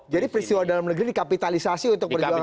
jadi peristiwa dalam negeri dikapitalisasi untuk perjuangan mereka